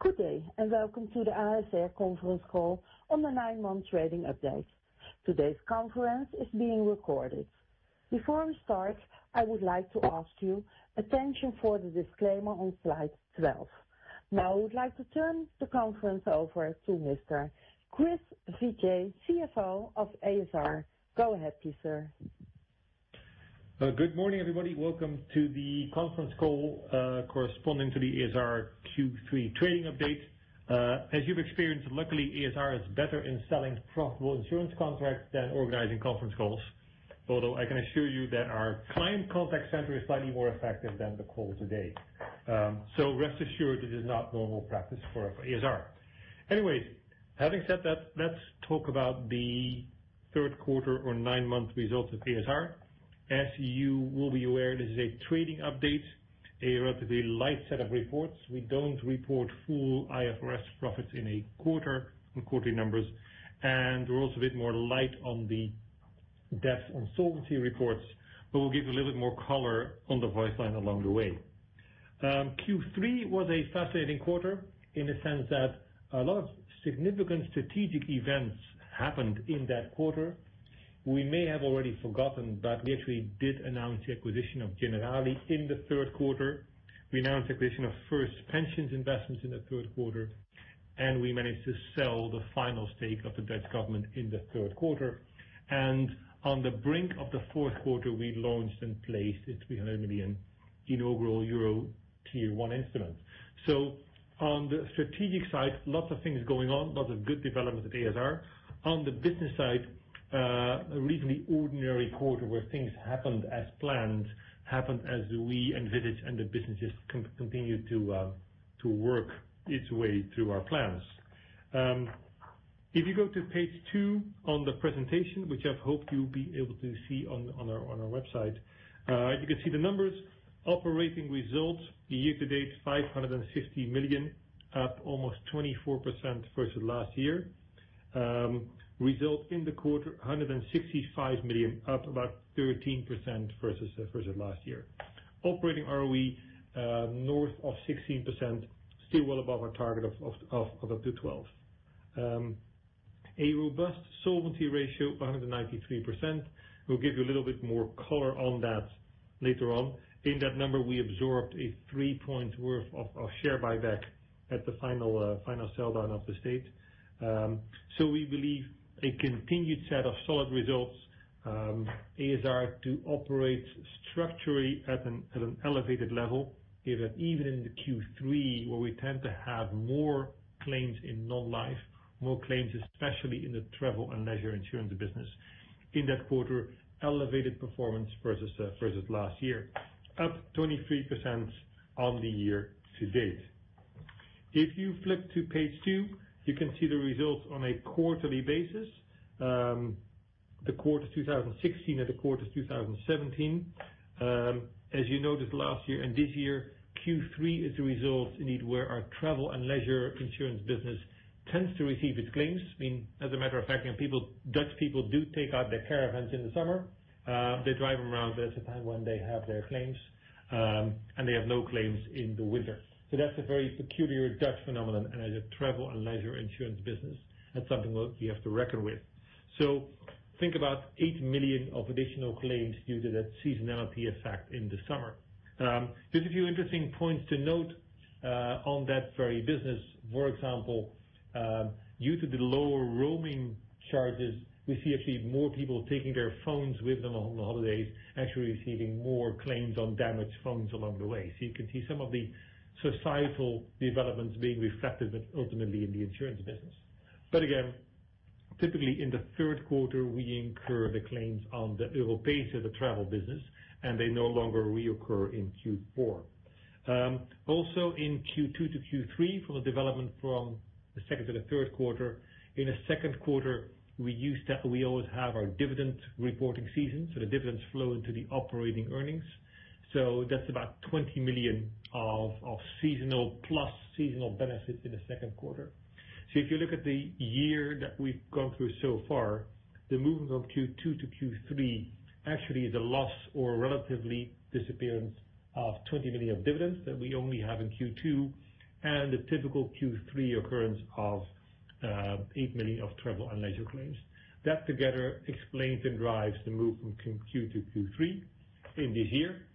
Good day. Welcome to the ASR conference call on the nine-month trading update. Today's conference is being recorded. Before we start, I would like to ask you attention for the disclaimer on slide 12. I would like to turn the conference over to Mr. Chris Figee, CFO of ASR. Go ahead, please, sir. Good morning, everybody. Welcome to the conference call corresponding to the ASR Q3 trading update. As you've experienced, luckily, ASR is better in selling profitable insurance contracts than organizing conference calls, although I can assure you that our client contact center is slightly more effective than the call today. Rest assured it is not normal practice for ASR. Having said that, let's talk about the third quarter or nine-month results of ASR. As you will be aware, this is a trading update, a relatively light set of reports. We don't report full IFRS profits in a quarter, in quarterly numbers. We're also a bit more light on the depth on solvency reports. We'll give you a little bit more color on the voice line along the way. Q3 was a fascinating quarter in the sense that a lot of significant strategic events happened in that quarter. We may have already forgotten, we actually did announce the acquisition of Generali in the third quarter. We announced the acquisition of First Pensions Investments in the third quarter. We managed to sell the final stake of the Dutch government in the third quarter. On the brink of the fourth quarter, we launched and placed its 300 million inaugural EUR Tier 1 instrument. On the strategic side, lots of things going on, lots of good development at ASR. On the business side, a reasonably ordinary quarter where things happened as planned, happened as we envisaged. The businesses continued to work its way through our plans. If you go to page two on the presentation, which I've hoped you'll be able to see on our website. You can see the numbers, operating results year to date 550 million, up almost 24% versus last year. Result in the quarter, 165 million, up about 13% versus last year. Operating ROE, north of 16%, still well above our target of up to 12. A robust solvency ratio, 193%. We'll give you a little bit more color on that later on. In that number, we absorbed a three point worth of share buyback at the final sell down of the state. We believe a continued set of solid results, ASR to operate structurally at an elevated level, given even in the Q3 where we tend to have more claims in non-life, more claims, especially in the travel and leisure insurance business. In that quarter, elevated performance versus last year, up 23% on the year to date. If you flip to page two, you can see the results on a quarterly basis. The quarter 2016 or the quarter 2017. As you noticed last year and this year, Q3 is the result indeed where our travel and leisure insurance business tends to receive its claims. As a matter of fact, Dutch people do take out their caravans in the summer. They drive them around. That's the time when they have their claims, and they have no claims in the winter. That's a very peculiar Dutch phenomenon, and as a travel and leisure insurance business, that's something we have to reckon with. Think about 8 million of additional claims due to that seasonality effect in the summer. There's a few interesting points to note on that very business. For example, due to the lower roaming charges, we see actually more people taking their phones with them on holidays, actually receiving more claims on damaged phones along the way. You can see some of the societal developments being reflected ultimately in the insurance business. Again, typically in the third quarter, we incur the claims on the Europeesche Verzekeringen of the travel business, and they no longer reoccur in Q4. Also in Q2 to Q3 for the development from the second to the third quarter. In the second quarter, we always have our dividend reporting season, the dividends flow into the operating earnings. That's about 20 million of seasonal plus seasonal benefits in the second quarter. If you look at the year that we've gone through so far, the movement of Q2 to Q3 actually is a loss or relatively disappearance of 20 million of dividends that we only have in Q2, and the typical Q3 occurrence of 8 million of travel and leisure claims. That together explains and drives the move from Q2 to Q3 in this year.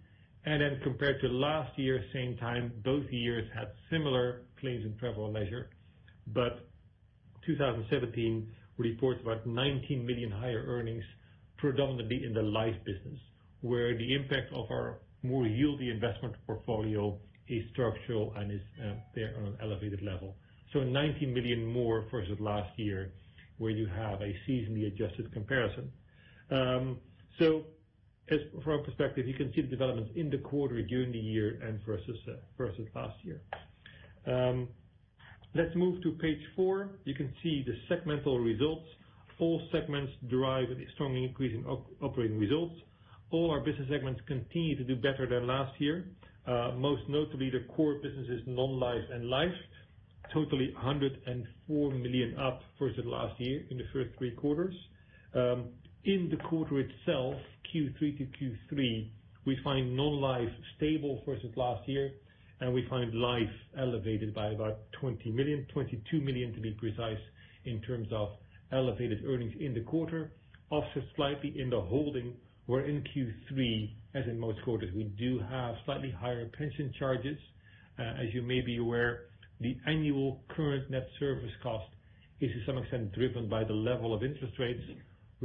Then compared to last year same time, both years had similar claims in travel and leisure, 2017 reports about 19 million higher earnings predominantly in the life business, where the impact of our more yield-y investment portfolio is structural and is there on an elevated level. 19 million more versus last year where you have a seasonally adjusted comparison. As from our perspective, you can see the developments in the quarter, during the year, and versus last year. Let's move to page 4. You can see the segmental results. All segments drive strongly increasing operating results. All our business segments continue to do better than last year. Most notably the core businesses, non-life and life Totally 104 million up versus last year in the first three quarters. In the quarter itself, Q3 to Q3, we find non-life stable versus last year, and we find life elevated by about 20 million, 22 million to be precise, in terms of elevated earnings in the quarter. Also slightly in the holding where in Q3, as in most quarters, we do have slightly higher pension charges. As you may be aware, the annual current net service cost is to some extent driven by the level of interest rates.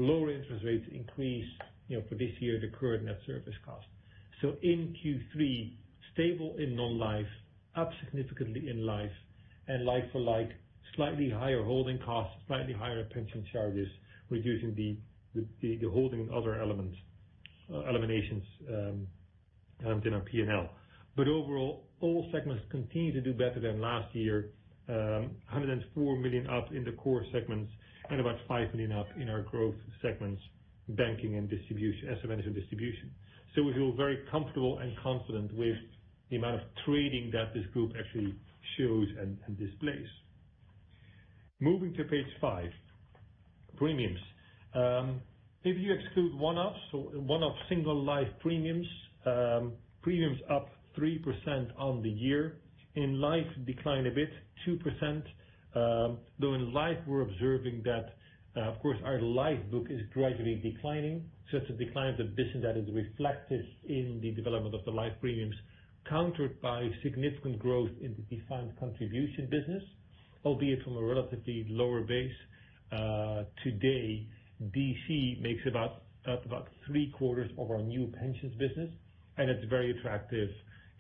Lower interest rates increase for this year the current net service cost. In Q3, stable in non-life, up significantly in life and like for like, slightly higher holding costs, slightly higher pension charges, reducing the holding other elements, eliminations terms in our P&L. Overall, all segments continue to do better than last year. 104 million up in the core segments and about 5 million up in our growth segments, banking and distribution, asset management distribution. We feel very comfortable and confident with the amount of trading that this group actually shows and displays. Moving to page five, premiums. If you exclude one-offs or one-off single life premiums up 3% on the year. In life, decline a bit, 2%. In life, we are observing that, of course, our life book is gradually declining. Such a decline of the business that is reflected in the development of the life premiums, countered by significant growth in the defined contribution business, albeit from a relatively lower base. Today, DC makes about three quarters of our new pensions business, and it is very attractive.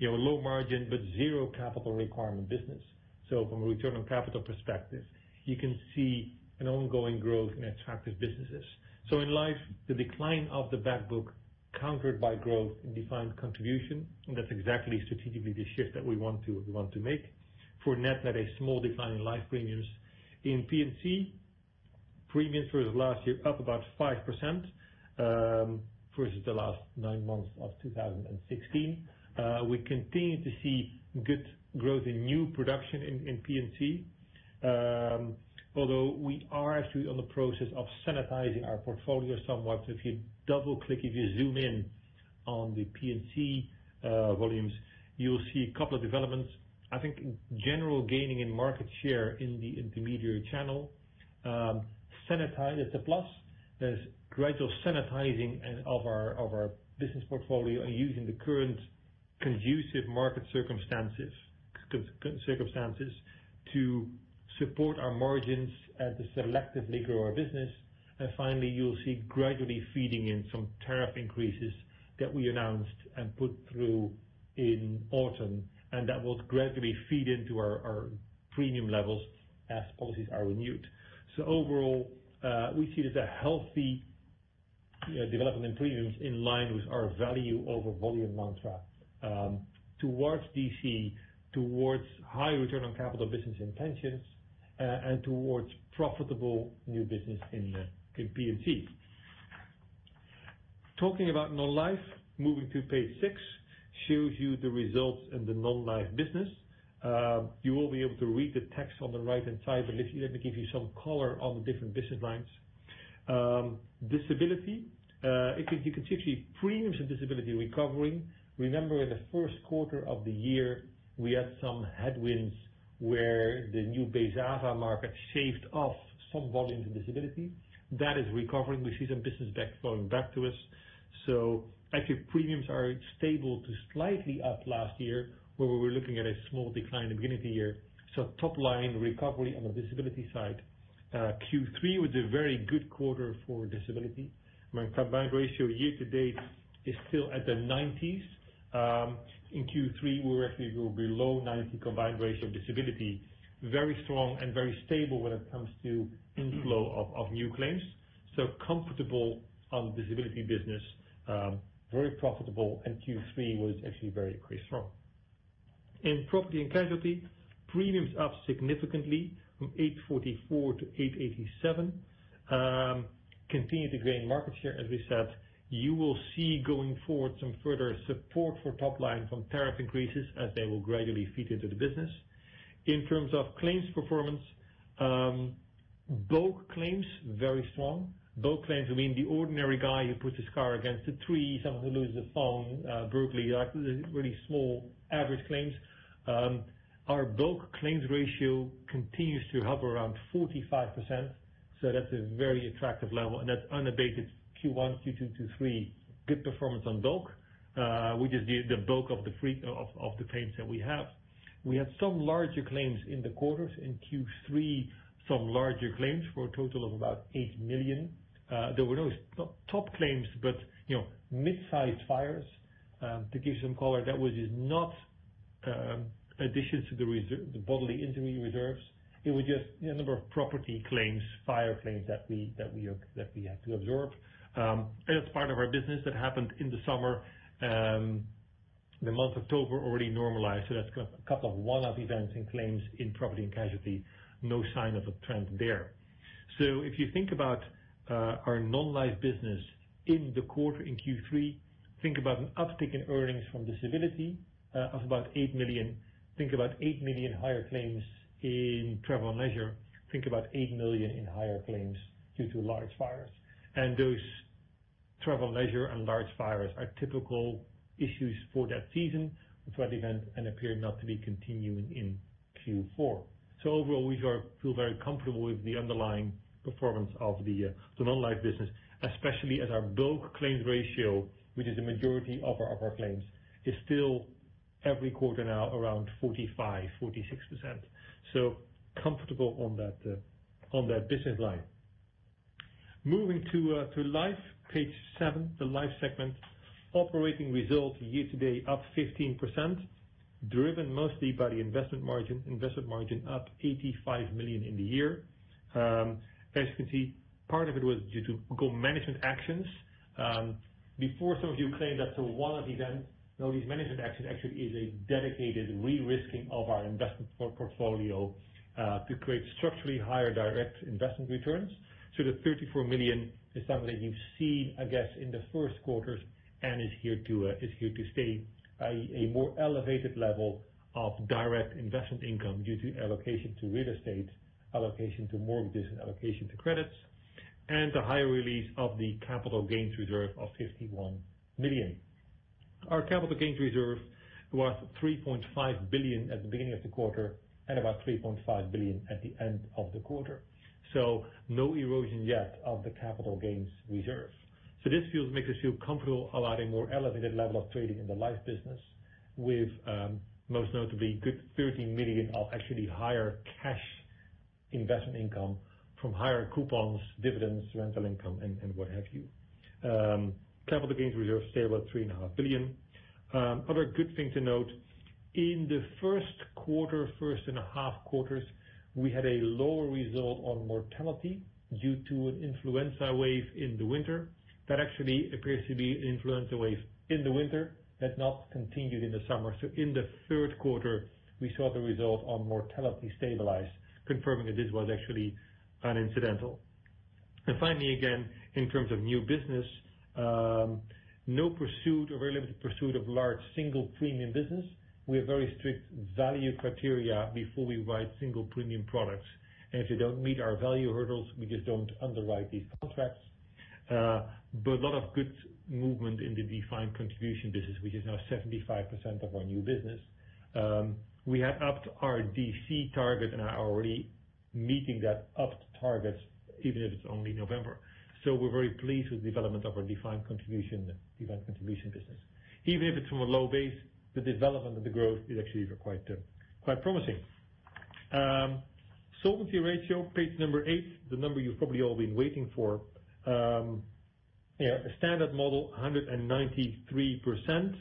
Low margin, but zero capital requirement business. From a return on capital perspective, you can see an ongoing growth in attractive businesses. In life, the decline of the back book countered by growth in defined contribution, and that is exactly strategically the shift that we want to make. For net, that is small decline in life premiums. In P&C, premiums versus last year up about 5%, versus the last nine months of 2016. We continue to see good growth in new production in P&C, although we are actually on the process of sanitizing our portfolio somewhat. If you double click, if you zoom in on the P&C volumes, you will see a couple of developments. I think Generali gaining in market share in the intermediary channel. It is a plus. There is gradual sanitizing of our business portfolio and using the current conducive market circumstances to support our margins and to selectively grow our business. Finally, you will see gradually feeding in some tariff increases that we announced and put through in autumn, and that will gradually feed into our premium levels as policies are renewed. Overall, we see it as a healthy development in premiums in line with our value over volume mantra towards DC, towards high return on capital business in pensions, and towards profitable new business in P&C. Talking about non-life, moving to page six shows you the results in the non-life business. You will be able to read the text on the right-hand side, but let me give you some color on the different business lines. Disability. You can see actually premiums in disability recovering. Remember in the first quarter of the year, we had some headwinds where the new BeZaVa market shaved off some volumes in disability. That is recovering. We see some business flowing back to us. Actually premiums are stable to slightly up last year, where we were looking at a small decline at the beginning of the year. Top line recovery on the disability side. Q3 was a very good quarter for disability. Combined ratio year to date is still at the 90s. In Q3, we were actually below 90 combined ratio of disability. Very strong and very stable when it comes to inflow of new claims. Comfortable on the disability business, very profitable, and Q3 was actually very, very strong. In property and casualty, premiums up significantly from 844 to 887. Continue to gain market share, as we said. You will see going forward some further support for top line from tariff increases as they will gradually feed into the business. In terms of claims performance, bulk claims very strong. Bulk claims, I mean, the ordinary guy who puts his car against a tree, someone who loses their phone, burglary, like really small average claims. Our bulk claims ratio continues to hover around 45%. That's a very attractive level, and that's unabated Q1, Q2, Q3, good performance on bulk which is the bulk of the claims that we have. We have some larger claims in the quarters. In Q3, some larger claims for a total of about 8 million. They were not top claims, but mid-sized fires. To give some color, that was just not additions to the bodily injury reserves. It was just a number of property claims, fire claims that we had to absorb. That's part of our business that happened in the summer. The month of October already normalized. That's a couple of one-off events in claims in property and casualty, no sign of a trend there. If you think about our non-life business in the quarter, in Q3, think about an uptick in earnings from disability of about 8 million. Think about 8 million higher claims in travel and leisure. Think about 8 million in higher claims due to large fires. Those travel and leisure and large fires are typical issues for that season, that's why they then appear not to be continuing in Q4. Overall, we feel very comfortable with the underlying performance of the non-life business, especially as our bulk claims ratio, which is the majority of our claims, is still every quarter now around 45%, 46%. Comfortable on that business line. Moving to Life, page seven, the Life segment. Operating results year to date up 15%, driven mostly by the investment margin up 85 million in the year. As you can see, part of it was due to co-management actions. Before some of you claim that's a one-off event, no, these management action actually is a dedicated re-risking of our investment portfolio to create structurally higher direct investment returns. The 34 million is something that you've seen, I guess, in the first quarters and is here to stay, i.e., a more elevated level of direct investment income due to allocation to real estate, allocation to mortgages, and allocation to credits, and the higher release of the capital gains reserve of 51 million. Our capital gains reserve was 3.5 billion at the beginning of the quarter and about 3.5 billion at the end of the quarter. No erosion yet of the capital gains reserve. This makes us feel comfortable allowing more elevated level of trading in the Life business with, most notably, good 30 million of actually higher cash investment income from higher coupons, dividends, rental income and what have you. Capital gains reserve stable at three and a half billion. Other good thing to note, in the first quarter, first and a half quarters, we had a lower result on mortality due to an influenza wave in the winter. That actually appears to be influenza wave in the winter, has not continued in the summer. In the third quarter, we saw the result on mortality stabilize, confirming that this was actually coincidental. Finally, again, in terms of new business, no pursuit or very limited pursuit of large single premium business. We have very strict value criteria before we write single premium products. If they don't meet our value hurdles, we just don't underwrite these contracts. A lot of good movement in the defined contribution business, which is now 75% of our new business. We have upped our DC target and are already meeting that upped target even if it's only November. We're very pleased with the development of our defined contribution business. Even if it's from a low base, the development of the growth is actually quite promising. Solvency ratio, page eight, the number you've probably all been waiting for. Standard model, 193%.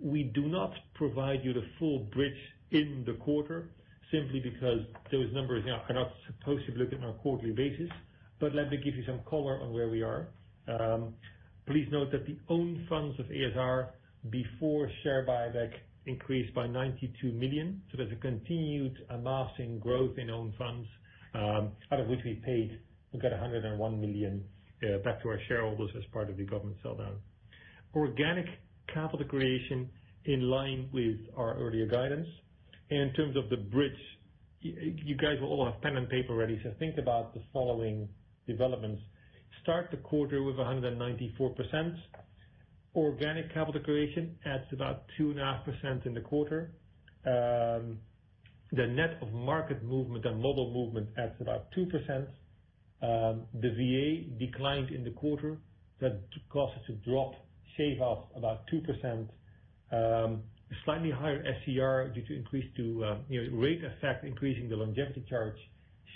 We do not provide you the full bridge in the quarter simply because those numbers are not supposed to be looked at on a quarterly basis. Let me give you some color on where we are. Please note that the own funds of ASR before share buyback increased by 92 million. There's a continued amassing growth in own funds, out of which we paid, we got 101 million back to our shareholders as part of the government sell-down. Organic capital creation in line with our earlier guidance. In terms of the bridge, you guys will all have pen and paper ready. Think about the following developments. Start the quarter with 194%. Organic capital creation adds about 2.5% in the quarter. The net of market movement and model movement adds about 2%. The VA declined in the quarter. That caused it to drop, shave off about 2%. Slightly higher SCR due to rate effect increasing the longevity charge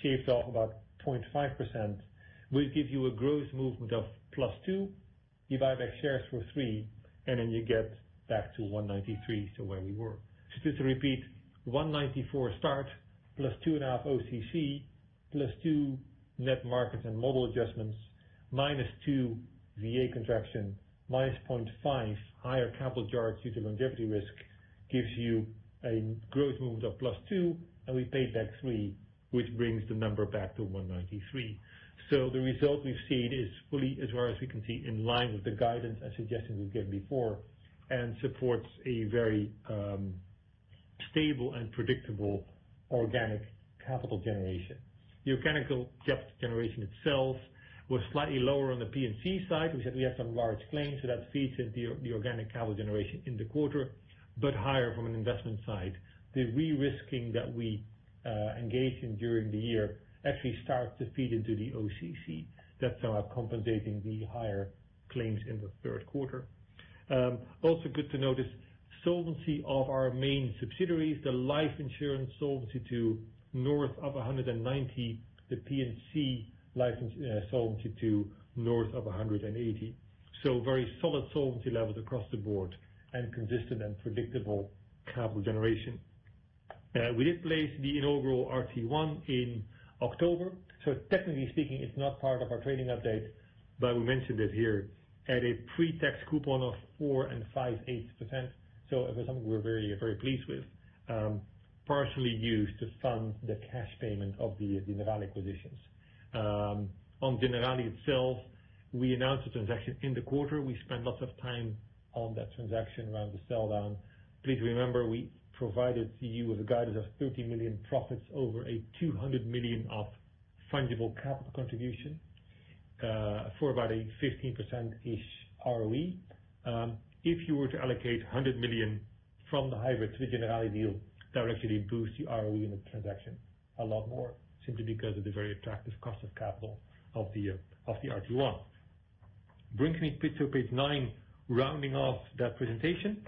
shaved off about 0.5%, will give you a gross movement of +2%. You buy back shares for 3%, you get back to 193%, where we were. Just to repeat, 194% start +2.5% OCC, +2% net markets and model adjustments, -2% VA contraction, -0.5% higher capital charge due to longevity risk gives you a gross movement of +2%, and we paid back 3%, which brings the number back to 193%. The result we've seen is fully, as far as we can see, in line with the guidance and suggestions we've given before, and supports a very stable and predictable organic capital generation. The organic capital generation itself was slightly lower on the P&C side. We said we had some large claims, that feeds into the organic capital generation in the quarter, but higher from an investment side. The re-risking that we engaged in during the year actually starts to feed into the OCC. That's now compensating the higher claims in the third quarter. Good to notice solvency of our main subsidiaries, the life insurance solvency to north of 190%, the P&C license solvency to north of 180%. Very solid solvency levels across the board and consistent and predictable capital generation. We did place the inaugural RT1 in October. Technically speaking, it's not part of our trading update, but we mentioned it here at a pre-tax coupon of 4.625%. It was something we're very, very pleased with. Partially used to fund the cash payment of the Generali acquisitions. On Generali itself, we announced the transaction in the quarter. We spent lots of time on that transaction around the sell-down. Please remember we provided to you as a guidance of 30 million profits over a 200 million of fundable capital contribution, for about a 15%-ish ROE. If you were to allocate 100 million from the hybrid to the Generali deal, that would actually boost the ROE in the transaction a lot more simply because of the very attractive cost of capital of the RT1. Bringing me to page nine, rounding off that presentation.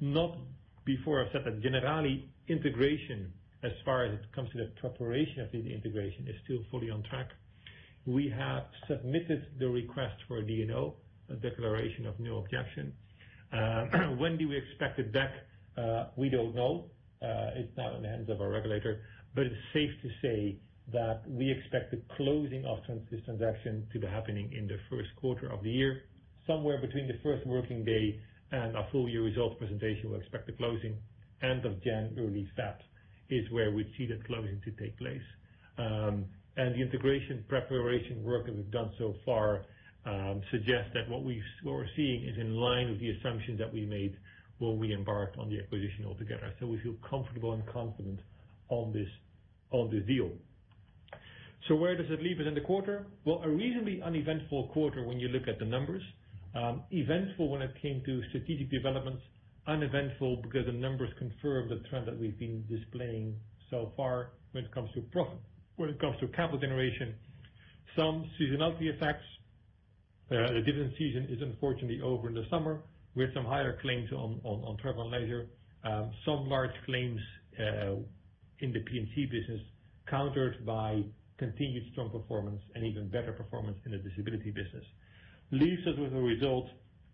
Not before I said that Generali integration, as far as it comes to the preparation of the integration, is still fully on track. We have submitted the request for a DNO, a declaration of no objection. When do we expect it back? We don't know. It's now in the hands of our regulator, but it's safe to say that we expect the closing of this transaction to be happening in the first quarter of the year, somewhere between the first working day and our full year results presentation, we expect the closing. End of January, early February is where we'd see the closing to take place. The integration preparation work that we've done so far suggests that what we're seeing is in line with the assumptions that we made when we embarked on the acquisition altogether. We feel comfortable and confident on this deal. Where does it leave us in the quarter? Well, a reasonably uneventful quarter when you look at the numbers. Eventful when it came to strategic developments. Uneventful because the numbers confirm the trend that we've been displaying so far when it comes to profit, when it comes to capital generation. Some seasonality effects. The different season is unfortunately over in the summer with some higher claims on travel and leisure. Some large claims in the P&C business, countered by continued strong performance and even better performance in the disability business. Leaves us with a result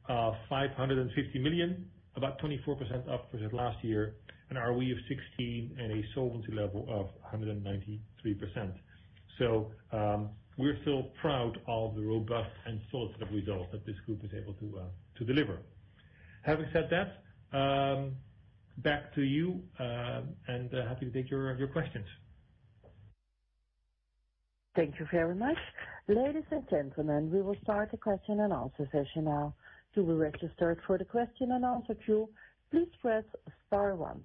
of 550 million, about 24% up from the last year, an ROE of 16% and a solvency level of 193%. We're still proud of the robust end result that this group is able to deliver. Having said that, back to you, and happy to take your questions. Thank you very much. Ladies and gentlemen, we will start the question and answer session now. To be registered for the question and answer queue, please press star one.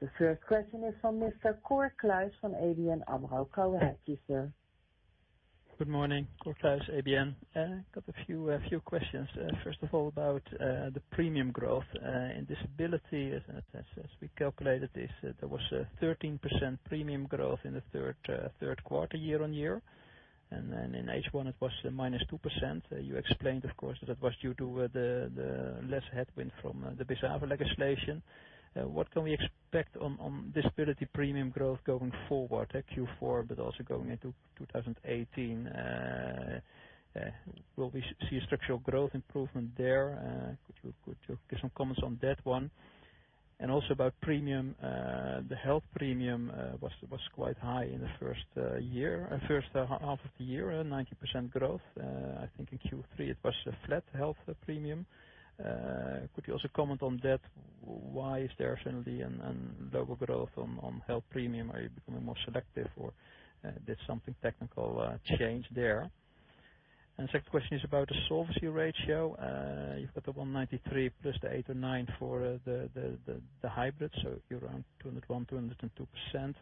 The first question is from Mr. Cor Kluis from ABN AMRO. Go ahead, please, sir. Good morning. Cor Kluis, ABN. I got a few questions. First of all, about the premium growth in disability. As we calculated this, there was a 13% premium growth in the third quarter year-on-year, then in H1 it was -2%. You explained, of course, that it was due to the less headwind from the BeZaVa legislation. What can we expect on disability premium growth going forward at Q4, but also going into 2018? Will we see a structural growth improvement there? Could you give some comments on that one? Also about premium. The health premium was quite high in the first half of the year, 90% growth. I think in Q3 it was a flat health premium. Could you also comment on that? Why is there suddenly a lower growth on health premium? Are you becoming more selective or did something technical change there? Second question is about the solvency ratio. You've got the 193 plus the eight and nine for the hybrid, so you're around 201%-202%.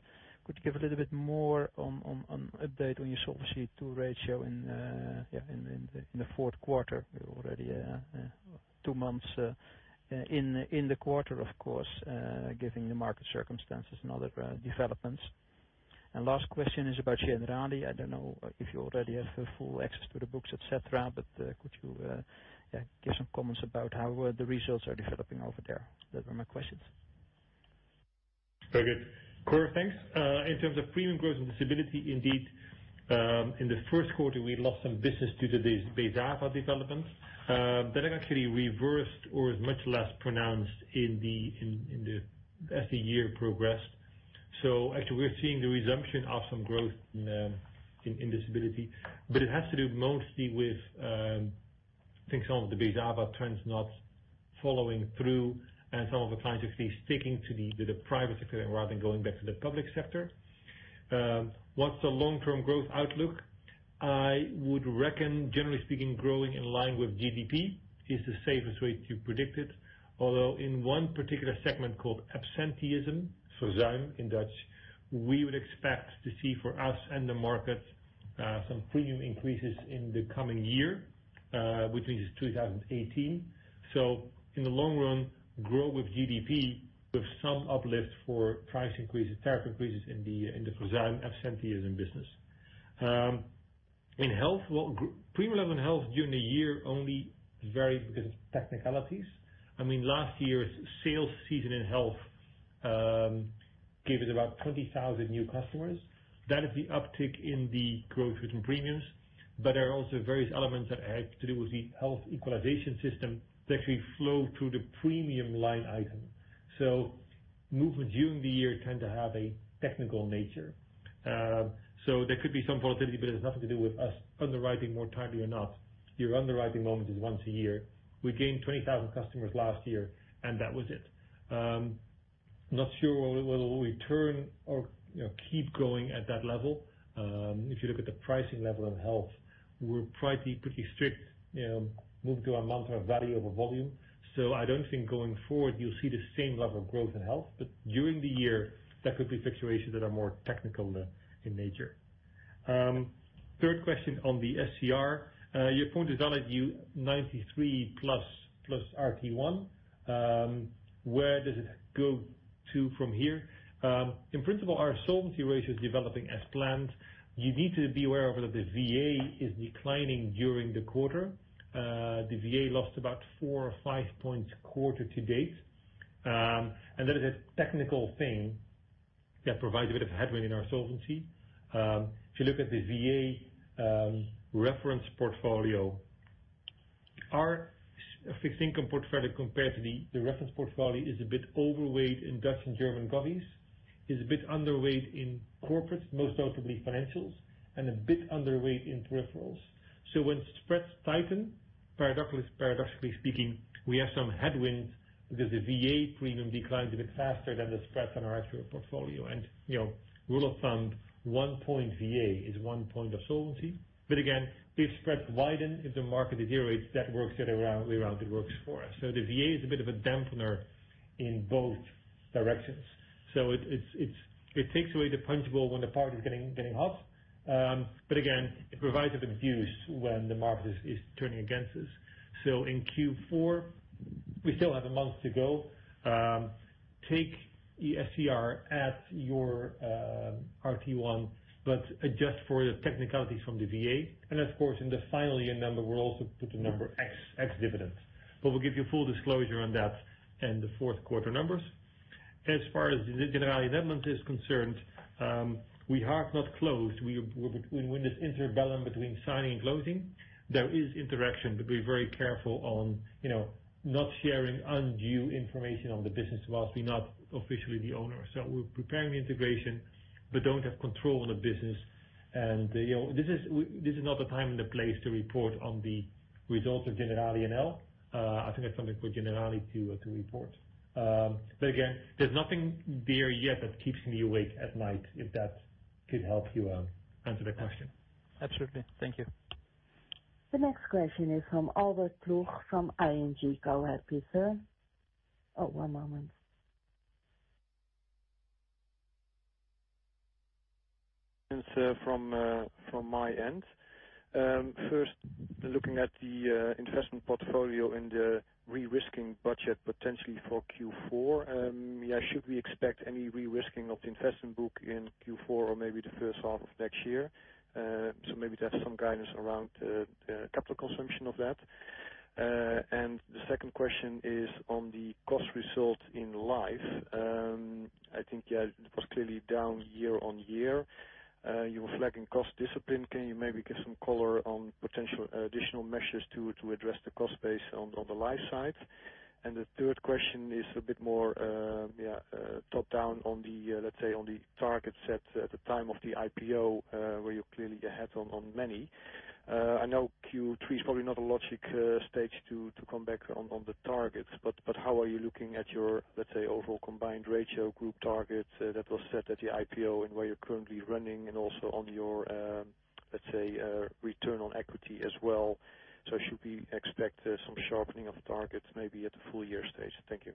Could you give a little bit more on update on your Solvency II ratio in the fourth quarter? We're already two months in the quarter, of course, giving the market circumstances and other developments. Last question is about Generali. I don't know if you already have full access to the books, et cetera, but could you give some comments about how the results are developing over there? Those are my questions. Very good. Cor, thanks. In terms of premium growth and disability, indeed, in the first quarter, we lost some business due to the BeZaVa development. That actually reversed or is much less pronounced as the year progressed. Actually, we're seeing the resumption of some growth in disability, but it has to do mostly with, I think some of the BeZaVa trends not following through and some of the clients actually sticking to the private sector rather than going back to the public sector. What's the long-term growth outlook? I would reckon, generally speaking, growing in line with GDP is the safest way to predict it. Although in one particular segment called absenteeism, verzuim in Dutch, we would expect to see for us and the market, some premium increases in the coming year, which means 2018. In the long run, grow with GDP with some uplift for price increases, tariff increases in the verzuim, absenteeism business. In health, premium level in health during the year only varied because of technicalities. Last year's sales season in health gave us about 20,000 new customers. That is the uptick in the growth within premiums. There are also various elements that have to do with the health equalization system that actually flow through the premium line item. Movements during the year tend to have a technical nature. There could be some volatility, but it has nothing to do with us underwriting more tightly or not. Your underwriting moment is once a year. We gained 20,000 customers last year, that was it. I'm not sure whether we'll return or keep growing at that level. If you look at the pricing level of health, we're pretty strict, moving to a mantra of value over volume. I don't think going forward you'll see the same level of growth in health. During the year, there could be fluctuations that are more technical in nature. Third question on the SCR. You pointed out at 193 plus RT1. Where does it go to from here? In principle, our solvency ratio is developing as planned. You need to be aware of that the VA is declining during the quarter. The VA lost about four or five points quarter to date. That is a technical thing that provides a bit of headwind in our solvency. If you look at the VA reference portfolio, our fixed income portfolio compared to the reference portfolio is a bit overweight in Dutch and German govies, is a bit underweight in corporates, most notably financials, and a bit underweight in peripherals. When spreads tighten, paradoxically speaking, we have some headwinds because the VA premium declines a bit faster than the spreads on our actual portfolio. Rule of thumb, one point VA is one point of solvency. Again, if spreads widen, if the market is zero, that works the other way around. It works for us. The VA is a bit of a dampener in both directions. It takes away the punchbowl when the party is getting hot. Again, it provides a bit of a fuse when the market is turning against us. In Q4, we still have a month to go. Take SCR as your RT1, but adjust for the technicalities from the VA. Of course, in the final year number, we'll also put the number X dividends. We'll give you full disclosure on that in the fourth quarter numbers. As far as Generali Nederland is concerned, we have not closed. We're in this interbellum between signing and closing. There is interaction, but we're very careful on not sharing undue information on the business whilst we're not officially the owner. We're preparing the integration but don't have control of the business. This is not the time and the place to report on the results of Generali NL. I think that's something for Generali to report. Again, there's nothing there yet that keeps me awake at night, if that could help you answer the question. Absolutely. Thank you. The next question is from Albert Ploegh from ING. Go ahead, please, sir. Oh, one moment. From my end. First, looking at the investment portfolio and the re-risking budget potentially for Q4. Should we expect any re-risking of the investment book in Q4 or maybe the first half of next year? Maybe just some guidance around the capital consumption of that. The second question is on the cost result in Life. I think it was clearly down year-over-year. You were flagging cost discipline. Can you maybe give some color on potential additional measures to address the cost base on the Life side? The third question is a bit more top-down on the, let's say, on the target set at the time of the IPO, where you're clearly ahead on many. I know Q3 is probably not a logical stage to come back on the targets. How are you looking at your, let's say, overall combined ratio group targets that were set at the IPO and where you're currently running and also on your, let's say, return on equity as well? Should we expect some sharpening of targets maybe at the full year stage? Thank you.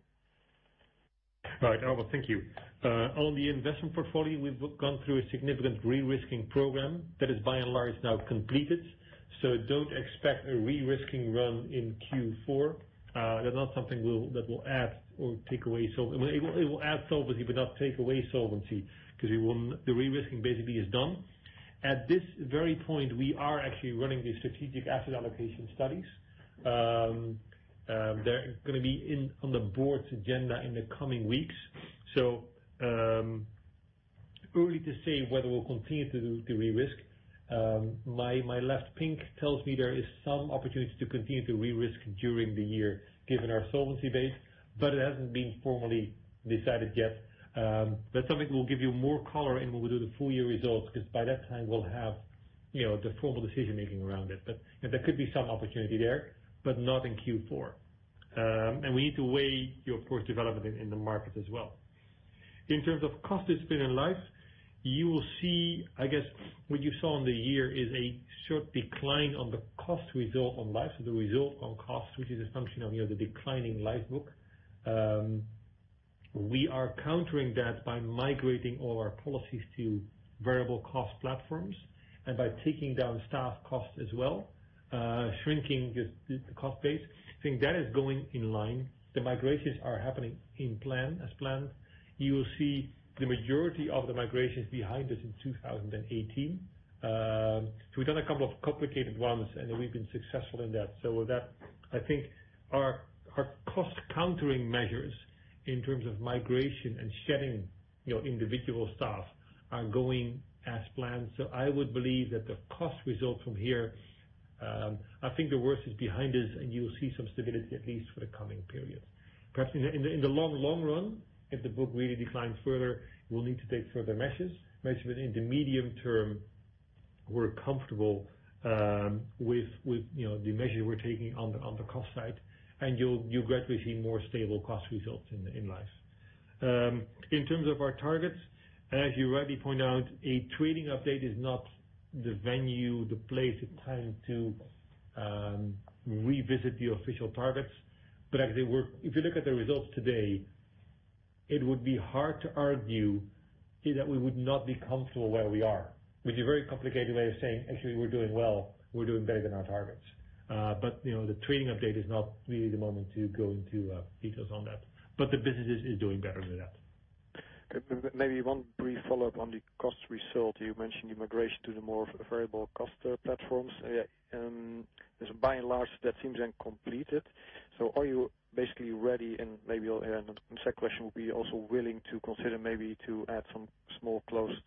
All right, Albert. Thank you. On the investment portfolio, we've gone through a significant re-risking program that is by and large now completed. Don't expect a re-risking run in Q4. That's not something that will add or take away. It will add solvency but not take away solvency, because the re-risking basically is done. At this very point, we are actually running the strategic asset allocation studies. They're going to be on the board's agenda in the coming weeks. Early to say whether we'll continue to re-risk. My left pink tells me there is some opportunity to continue to re-risk during the year, given our solvency base, but it hasn't been formally decided yet. Something we'll give you more color in when we do the full year results, because by that time we'll have the formal decision-making around it. There could be some opportunity there, but not in Q4. We need to weigh your portfolio development in the market as well. In terms of cost discipline in Life, you will see, I guess what you saw on the year is a sharp decline on the cost result on Life. The result on cost, which is a function of the declining Life book. We are countering that by migrating all our policies to variable cost platforms and by taking down staff costs as well, shrinking the cost base. I think that is going in line. The migrations are happening as planned. You will see the majority of the migrations behind us in 2018. We've done a couple of complicated ones, and we've been successful in that. With that, I think our cost countering measures in terms of migration and shedding individual staff are going as planned. I would believe that the cost result from here, I think the worst is behind us, and you'll see some stability, at least for the coming period. Perhaps in the long, long run, if the book really declines further, we'll need to take further measures. In the medium term, we're comfortable with the measure we're taking on the cost side, and you'll gradually see more stable cost results in Life. In terms of our targets, as you rightly point out, a trading update is not the venue, the place, the time to revisit the official targets. If you look at the results today, it would be hard to argue that we would not be comfortable where we are, which is a very complicated way of saying, actually, we're doing well. We're doing better than our targets. The trading update is not really the moment to go into details on that. The business is doing better than that. Okay. Maybe one brief follow-up on the cost result. You mentioned the migration to the more variable cost platforms. By and large, that seems then completed. Are you basically ready, and maybe a second question, would be also willing to consider maybe to add some small closed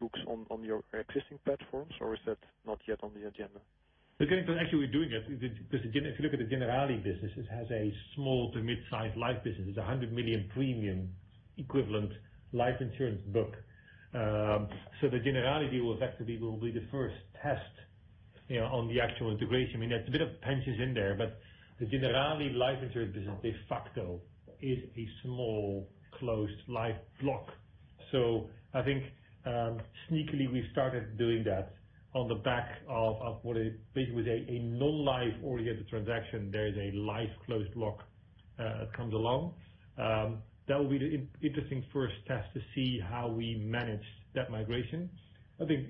books on your existing platforms, or is that not yet on the agenda? Actually, we are doing it. If you look at the Generali business, it has a small to mid-size life business. It is 100 million premium equivalent life insurance book. The Generali deal effectively will be the first test on the actual integration. There is a bit of pensions in there, the Generali life insurance business de facto is a small closed life block. I think sneakily, we started doing that on the back of what basically was a non-life oriented transaction. There is a life closed block that comes along. That will be the interesting first test to see how we manage that migration. I think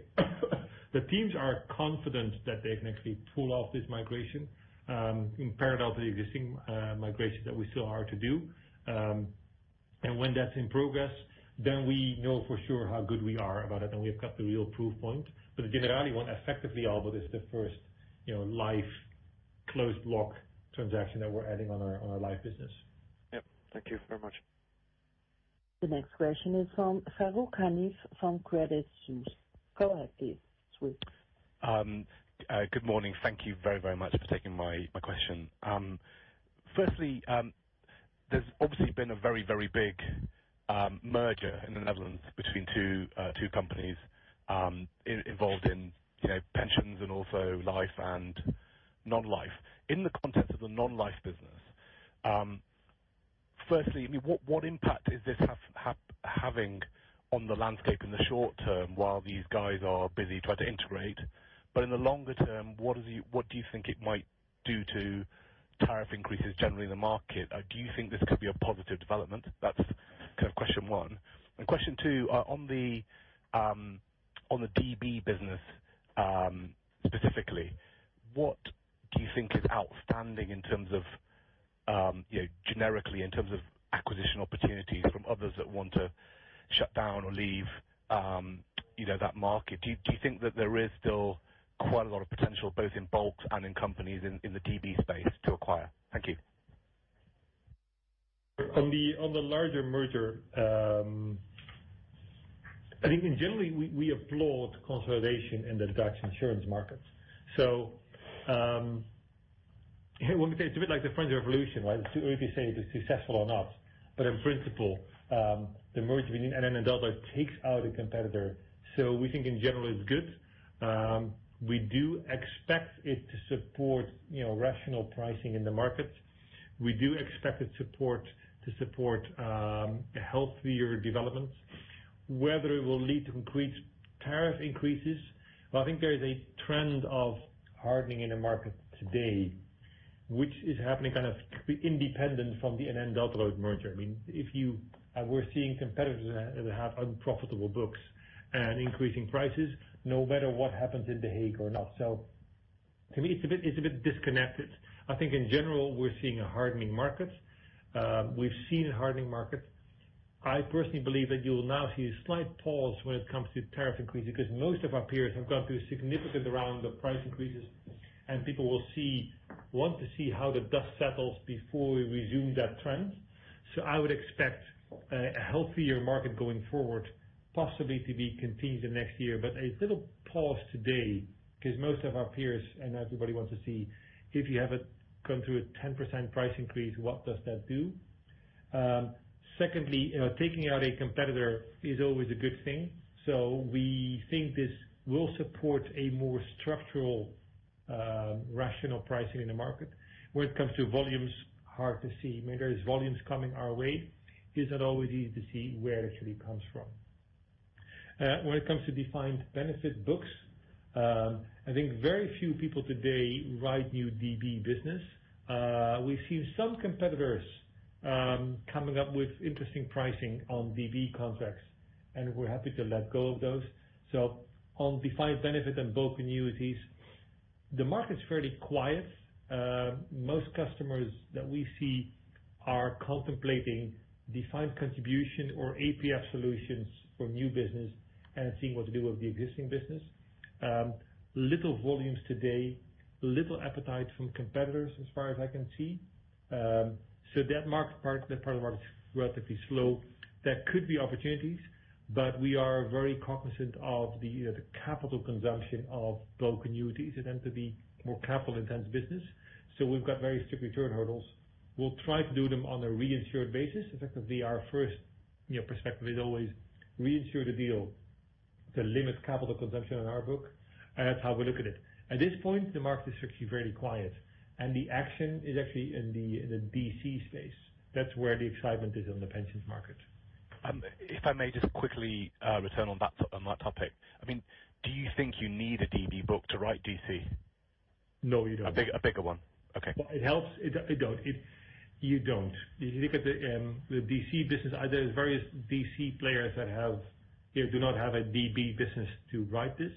the teams are confident that they can actually pull off this migration in parallel to the existing migration that we still are to do. When that is in progress, then we know for sure how good we are about it, and we have got the real proof point. The Generali one effectively, Albert, is the first life closed block transaction that we are adding on our life business. Yep. Thank you very much. The next question is from Farooq Hanif from Credit Suisse. Go ahead, please. Good morning. Thank you very, very much for taking my question. Firstly, there's obviously been a very, very big merger in the Netherlands between two companies involved in pensions and also life and non-life. In the context of the non-life business, firstly, what impact is this having on the landscape in the short term while these guys are busy trying to integrate? What do you think it might do to tariff increases generally in the market? Do you think this could be a positive development? That's question one. Question two, on the DB business specifically, what do you think is outstanding generically in terms of acquisition opportunities from others that want to shut down or leave that market? Do you think that there is still quite a lot of potential, both in bulk and in companies in the DB space to acquire? Thank you. On the larger merger, I think in general we applaud consolidation in the Dutch insurance markets. When we say it's a bit like the French Revolution, right? It's too early to say if it's successful or not. In principle, the merger between NN and Delta takes out a competitor. We think in general it's good. We do expect it to support rational pricing in the markets. We do expect it to support healthier developments. Whether it will lead to increased tariff increases. I think there is a trend of hardening in the market today which is happening kind of independent from the NN Delta Lloyd merger. We're seeing competitors that have unprofitable books and increasing prices no matter what happens in The Hague or not. To me, it's a bit disconnected. I think in general, we're seeing a hardening market. We've seen a hardening market. I personally believe that you will now see a slight pause when it comes to tariff increases because most of our peers have gone through a significant round of price increases, and people want to see how the dust settles before we resume that trend. I would expect a healthier market going forward, possibly to be continued next year. A little pause today because most of our peers and everybody wants to see if you have gone through a 10% price increase, what does that do? Secondly, taking out a competitor is always a good thing. We think this will support a more structural rational pricing in the market. When it comes to volumes, hard to see. There is volumes coming our way. It's not always easy to see where it actually comes from. When it comes to defined benefit books, I think very few people today write new DB business. We've seen some competitors coming up with interesting pricing on DB contracts, and we're happy to let go of those. On defined benefit and bulk annuities, the market's fairly quiet. Most customers that we see are contemplating defined contribution or APF solutions for new business and seeing what to do with the existing business. Little volumes today, little appetite from competitors as far as I can see. That part of the market is relatively slow. There could be opportunities, we are very cognizant of the capital consumption of bulk annuities. They tend to be more capital-intensive business. We've got very strict return hurdles. We'll try to do them on a reinsured basis. Effectively, our first perspective is always reinsure the deal to limit capital consumption in our book. That's how we look at it. At this point, the market is actually very quiet. The action is actually in the DC space. That's where the excitement is in the pensions market. If I may just quickly return on that topic. Do you think you need a DB book to write DC? No, you don't. A bigger one. Okay. Well, it helps. You don't. If you look at the DC business, there are various DC players that do not have a DB business to write this.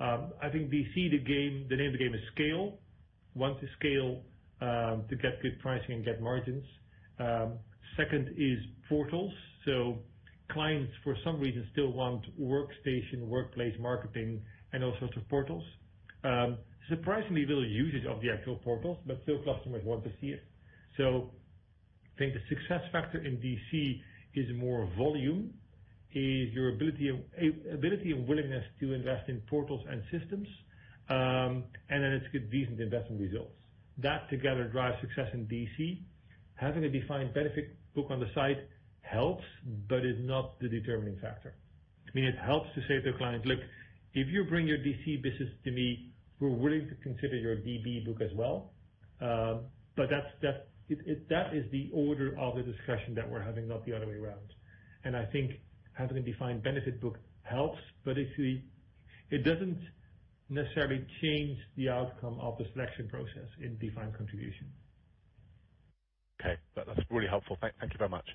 I think DC, the name of the game is scale. You want to scale to get good pricing and get margins. Second is portals. Clients, for some reason, still want workstation, workplace marketing, and all sorts of portals. Surprisingly little usage of the actual portals, but still customers want to see it. I think the success factor in DC is more volume, is your ability and willingness to invest in portals and systems, and then it's to get decent investment results. That together drives success in DC. Having a defined benefit book on the side helps but is not the determining factor. It helps to say to the client, "Look, if you bring your DC business to me, we're willing to consider your DB book as well." That is the order of the discussion that we're having, not the other way around. I think having a defined benefit book helps, but it doesn't necessarily change the outcome of the selection process in defined contribution. Okay. That's really helpful. Thank you very much.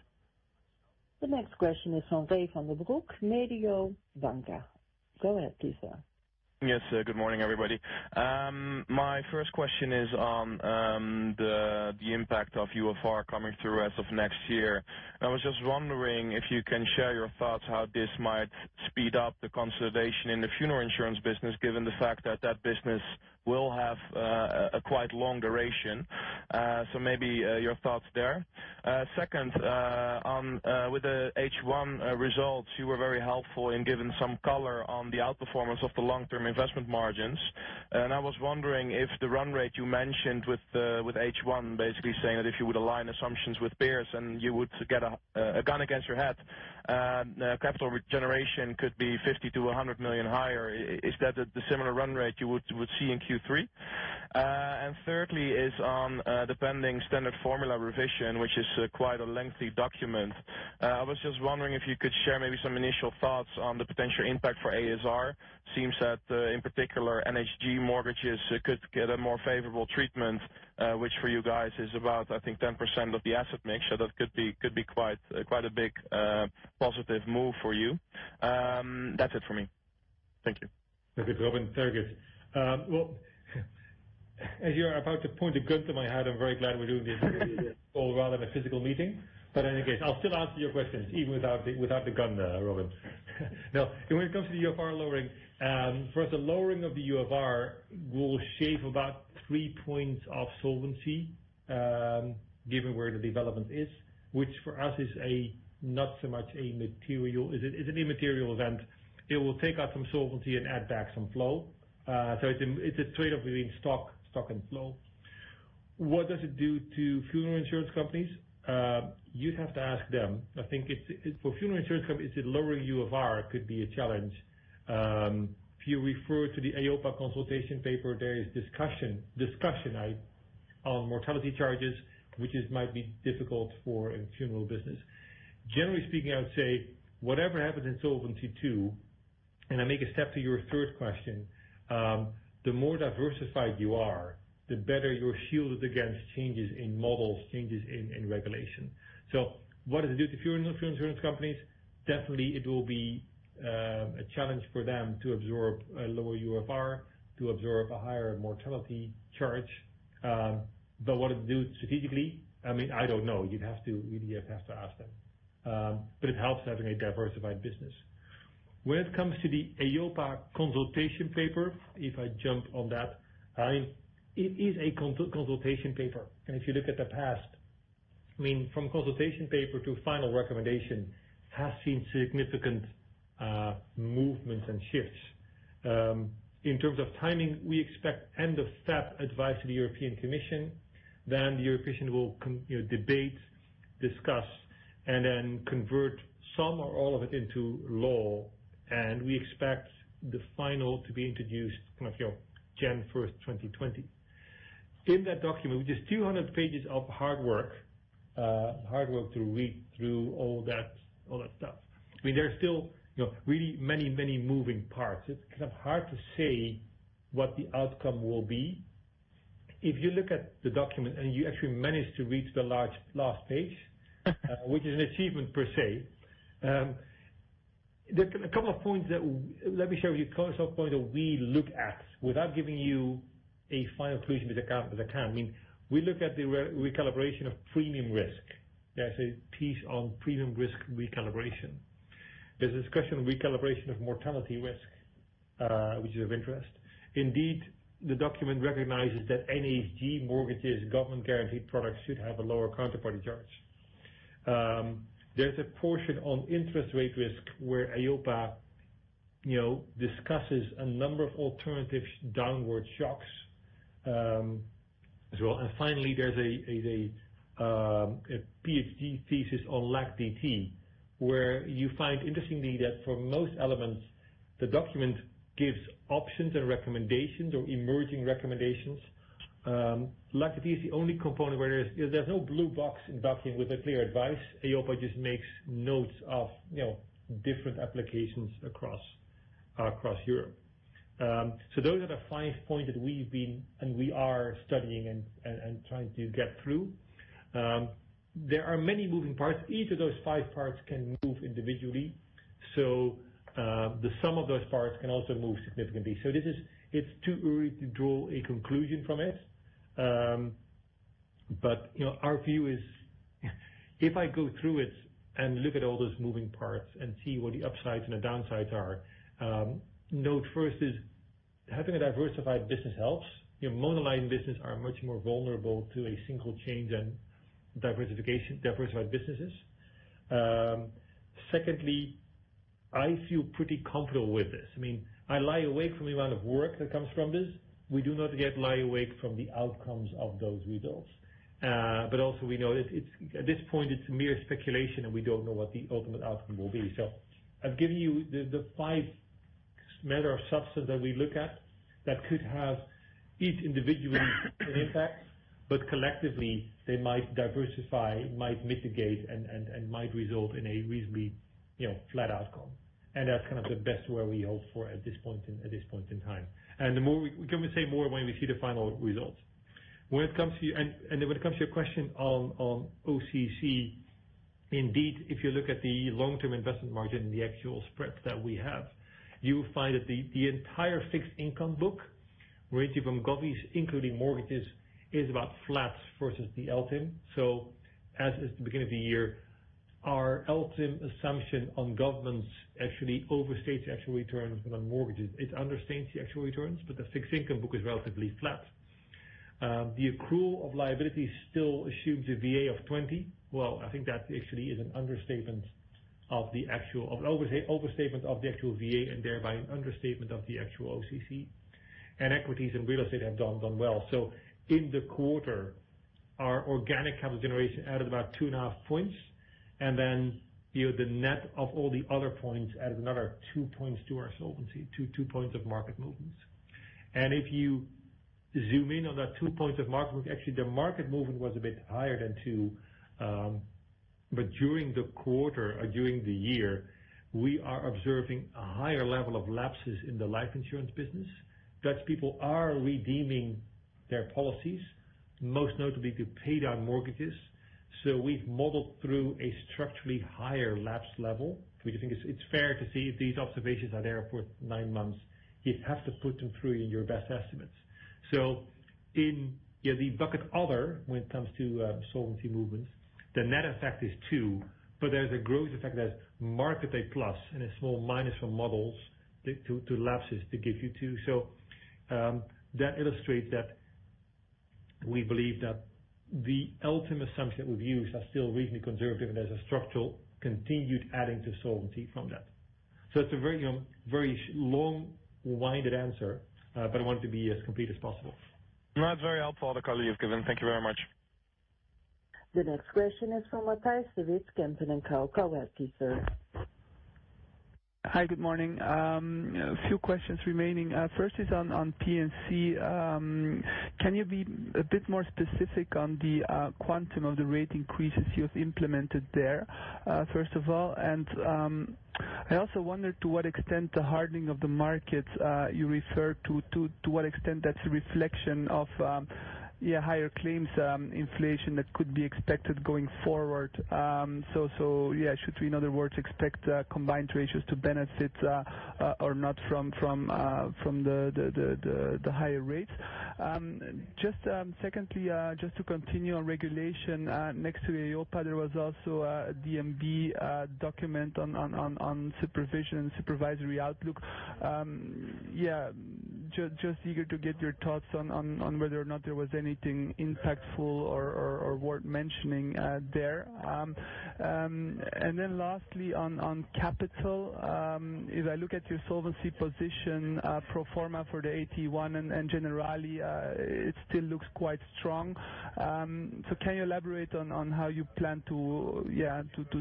The next question is from Robin van den Broek, Mediobanca. Go ahead, please, sir. Yes, good morning, everybody. My first question is on the impact of UFR coming through as of next year. I was just wondering if you can share your thoughts how this might speed up the consolidation in the funeral insurance business, given the fact that that business will have a quite long duration. Your thoughts there. I was wondering if the run rate you mentioned with H1, basically saying that if you would align assumptions with peers and you would get a gun against your head, capital generation could be 50 million-100 million higher. Is that the similar run rate you would see in Q3? Thirdly is on the pending standard formula revision, which is quite a lengthy document. I was just wondering if you could share maybe some initial thoughts on the potential impact for ASR. Seems that, in particular, NHG mortgages could get a more favorable treatment, which for you guys is about, I think, 10% of the asset mix. That could be quite a big positive move for you. That's it for me. Thank you. Very good, Robin. Very good. Well, as you are about to point a gun to my head, I'm very glad we're doing this call rather than a physical meeting. In any case, I'll still answer your questions even without the gun, Robin. No. When it comes to the UFR lowering, first, the lowering of the UFR will shave about three points of solvency, given where the development is, which for us is a immaterial event. It will take out some solvency and add back some flow. It's a trade-off between stock and flow. What does it do to funeral insurance companies? You'd have to ask them. I think for funeral insurance companies, the lowering UFR could be a challenge. If you refer to the EIOPA consultation paper, there is discussion on mortality charges, which might be difficult for a funeral business. Generally speaking, I would say whatever happens in Solvency II, and I make a step to your third question, the more diversified you are, the better you're shielded against changes in models, changes in regulation. What does it do to funeral insurance companies? Definitely, it will be a challenge for them to absorb a lower UFR, to absorb a higher mortality charge. What it do strategically, I don't know. You'd really have to ask them. It helps having a diversified business. When it comes to the EIOPA consultation paper, if I jump on that. It is a consultation paper, and if you look at the past, from consultation paper to final recommendation has seen significant movements and shifts. In terms of timing, we expect [end of September] advice to the European Commission, then the European will debate, discuss, and then convert some or all of it into law, and we expect the final to be introduced January 1, 2020. In that document, which is 200 pages of hard work to read through all that stuff. There are still really many moving parts. It's kind of hard to say what the outcome will be. If you look at the document and you actually manage to reach the last page, which is an achievement per se. A couple of points that let me share with you, couple of points that we look at without giving you a final conclusion with a count. We look at the recalibration of premium risk. There's a piece on premium risk recalibration. There's a discussion on recalibration of mortality risk, which is of interest. Indeed, the document recognizes that NHG mortgages, government-guaranteed products should have a lower counterparty charge. There's a portion on interest rate risk where EIOPA discusses a number of alternative downward shocks as well. Finally, there's a PhD thesis on LAC-DT, where you find interestingly, that for most elements, the document gives options and recommendations or emerging recommendations. LAC-DT is the only component where there's no blue box in the document with a clear advice. EIOPA just makes notes of different applications across Europe. Those are the five points that we've been, and we are studying and trying to get through. There are many moving parts. Each of those five parts can move individually. The sum of those parts can also move significantly. It's too early to draw a conclusion from it. Our view is, if I go through it and look at all those moving parts and see what the upsides and the downsides are, note first is having a diversified business helps. Monoline businesses are much more vulnerable to a single change than diversified businesses. Secondly, I feel pretty comfortable with this. I lie awake from the amount of work that comes from this. We do not yet lie awake from the outcomes of those results. Also, we know at this point, it's mere speculation, and we don't know what the ultimate outcome will be. I've given you the five matter of substance that we look at that could have each individually an impact, but collectively they might diversify, might mitigate, and might result in a reasonably flat outcome. And that's the best where we hope for at this point in time. We can say more when we see the final results. When it comes to your question on OCC, indeed, if you look at the long-term investment margin and the actual spreads that we have, you will find that the entire fixed income book, ranging from govies, including mortgages, is about flat versus the LTIM. As is the beginning of the year, our LTIM assumption on governments actually overstates the actual returns on mortgages. It understates the actual returns, but the fixed income book is relatively flat. The accrual of liabilities still assumes a VA of 20. Well, I think that actually is an overstatement of the actual VA, and thereby an understatement of the actual OCC. Equities and real estate have done well. In the quarter, our organic capital generation added about two and a half points, then the net of all the other points added another two points to our solvency, two points of market movements. If you zoom in on that two points of market movement, actually, the market movement was a bit higher than two. During the quarter or during the year, we are observing a higher level of lapses in the life insurance business. Dutch people are redeeming their policies, most notably to pay down mortgages. We've modeled through a structurally higher lapse level. We think it's fair to say if these observations are there for nine months, you have to put them through in your best estimates. In the bucket other, when it comes to solvency movements, the net effect is two, but there's a gross effect that's marketed plus and a small minus from models to lapses to give you two. That illustrates that we believe that the LTIM assumptions we've used are still reasonably conservative, and there's a structural continued adding to solvency from that. It's a very long-winded answer, but I want it to be as complete as possible. No, that's very helpful. Thank you very much. The next question is from Matthias de Wit, Kempen & Co. Hi, good morning. A few questions remaining. First is on P&C. Can you be a bit more specific on the quantum of the rate increases you've implemented there, first of all? I also wondered to what extent the hardening of the markets you referred to what extent that's a reflection of higher claims inflation that could be expected going forward. Should we, in other words, expect combined ratios to benefit or not from the higher rates? Secondly, just to continue on regulation. Next to EIOPA, there was also a DNB document on supervision and supervisory outlook. Just eager to get your thoughts on whether or not there was anything impactful or worth mentioning there. Lastly, on capital. As I look at your solvency position pro forma for the RT1 and generally, it still looks quite strong. Can you elaborate on how you plan to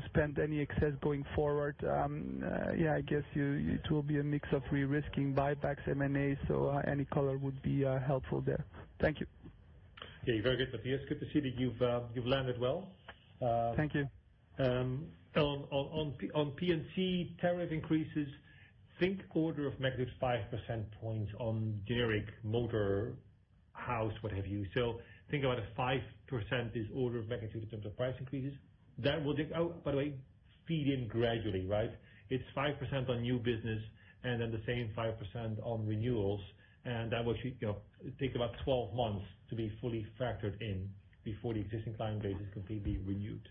spend any excess going forward? I guess it will be a mix of re-risking buybacks, M&As. Any color would be helpful there. Thank you. Very good, Matthias. Good to see that you've landed well. Thank you. On P&C tariff increases, think order of magnitude 5 percentage points on generic motor house, what have you. Think about a 5% is order of magnitude in terms of price increases. Oh, by the way Feed in gradually, right? It's 5% on new business and then the same 5% on renewals. That will take about 12 months to be fully factored in before the existing client base is completely renewed.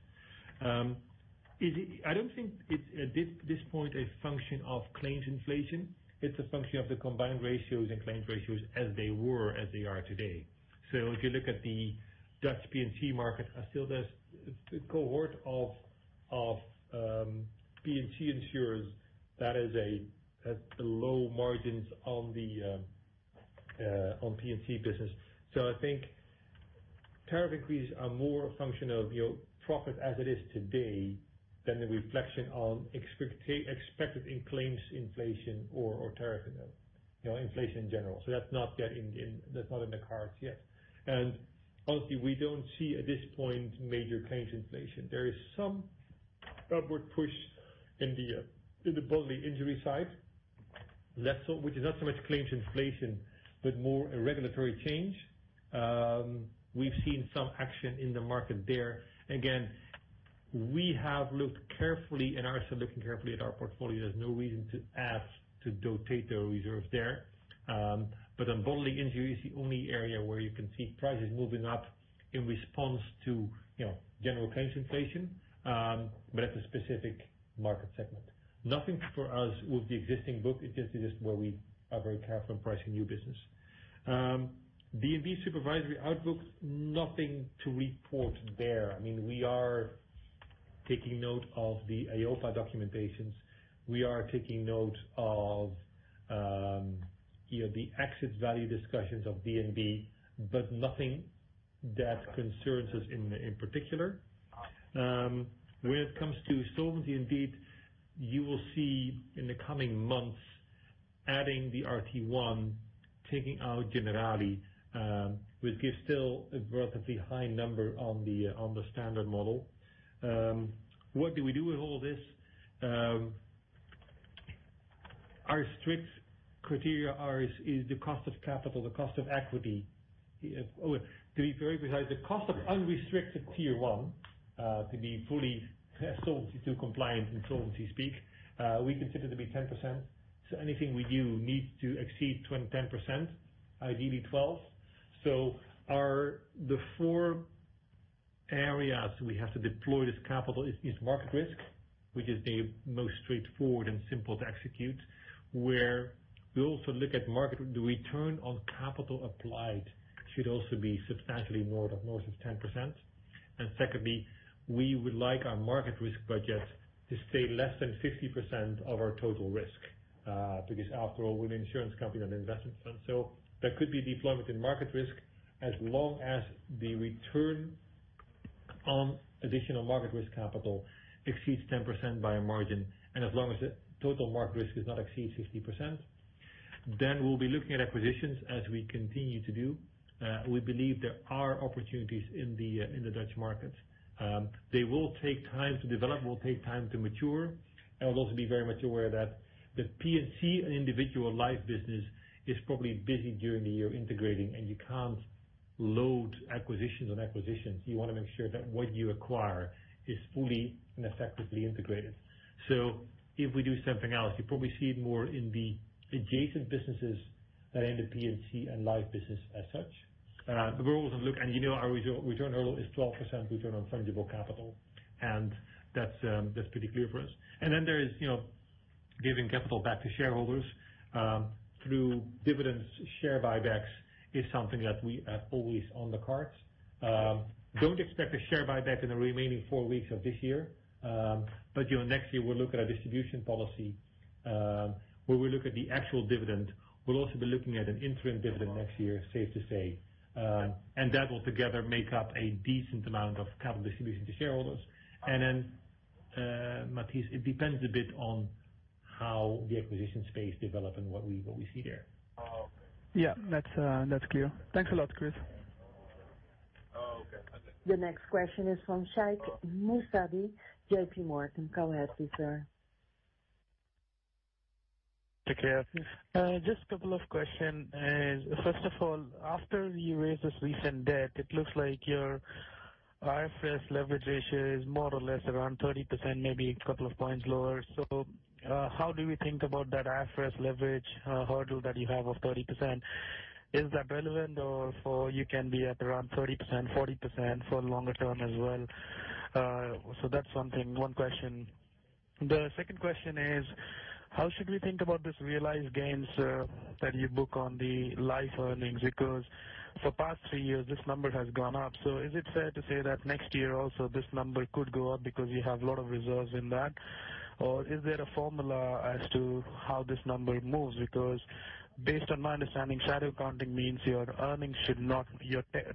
I don't think it's, at this point, a function of claims inflation. It's a function of the combined ratios and claims ratios as they were, as they are today. If you look at the Dutch P&C market, I feel there's a cohort of P&C insurers that has low margins on P&C business. I think tariff increases are more a function of profit as it is today than a reflection on expected claims inflation or tariff inflation in general. That's not in the cards yet. Honestly, we don't see at this point major claims inflation. There is some upward push in the bodily injury side, which is not so much claims inflation, but more a regulatory change. We've seen some action in the market there. Again, we have looked carefully and are still looking carefully at our portfolio. There's no reason to update the reserve there. On bodily injury, it's the only area where you can see prices moving up in response to general claims inflation. That's a specific market segment. Nothing for us with the existing book. It's just where we are very careful in pricing new business. DNB supervisory outlook, nothing to report there. We are taking note of the EIOPA documentations. We are taking note of the exit value discussions of DNB, but nothing that concerns us in particular. When it comes to solvency, indeed, you will see in the coming months adding the RT1, taking out Generali, which gives still a relatively high number on the standard model. What do we do with all this? Our strict criteria is the cost of capital, the cost of equity. To be very precise, the cost of unrestricted Tier 1 to be fully Solvency II compliant in solvency speak, we consider to be 10%. Anything we do needs to exceed 10%, ideally 12%. The four areas we have to deploy this capital is market risk, which is the most straightforward and simple to execute, where we also look at market. The return on capital applied should also be substantially north of 10%. Secondly, we would like our market risk budget to stay less than 50% of our total risk, because after all, we're an insurance company, not an investment fund. There could be deployment in market risk as long as the return on additional market risk capital exceeds 10% by a margin, and as long as the total market risk does not exceed 60%. We'll be looking at acquisitions as we continue to do. We believe there are opportunities in the Dutch market. They will take time to develop, will take time to mature. I will also be very much aware that the P&C and individual life business is probably busy during the year integrating, and you can't load acquisitions on acquisitions. You want to make sure that what you acquire is fully and effectively integrated. If we do something else, you probably see it more in the adjacent businesses than in the P&C and life business as such. We'll also look, and you know our return hurdle is 12%, return on fundable capital, and that's pretty clear for us. There is giving capital back to shareholders through dividends. Share buybacks is something that are always on the cards. Don't expect a share buyback in the remaining 4 weeks of this year. Next year, we'll look at our distribution policy, where we look at the actual dividend. We'll also be looking at an interim dividend next year, safe to say. That will together make up a decent amount of capital distribution to shareholders. Matthias, it depends a bit on how the acquisition space develop and what we see there. Okay. Yeah. That's clear. Thanks a lot, Chris. Okay. The next question is from Shaikh Musabi, J.P. Morgan. Go ahead please, sir. Okay. Just a couple of question. First of all, after you raised this recent debt, it looks like your IFRS leverage ratio is more or less around 30%, maybe a couple of points lower. How do we think about that IFRS leverage hurdle that you have of 30%? Is that relevant or you can be at around 30%-40% for longer term as well? That's one question. The second question is, how should we think about this realized gains that you book on the life earnings? Because for past 3 years, this number has gone up. Is it fair to say that next year also this number could go up because you have a lot of reserves in that? Or is there a formula as to how this number moves? Because based on my understanding, shadow accounting means your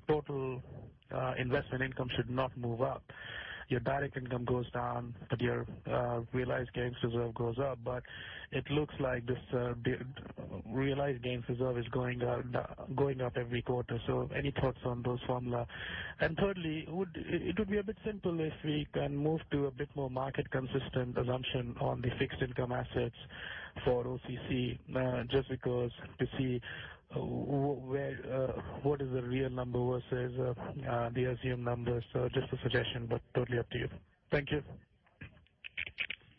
total investment income should not move up. Your direct income goes down, but your realized gains reserve goes up. It looks like this realized gains reserve is going up every quarter. Any thoughts on those formula? Thirdly, it would be a bit simple if we can move to a bit more market consistent assumption on the fixed income assets. For OCC, just because to see what is the real number versus the assumed numbers. Just a suggestion, but totally up to you. Thank you.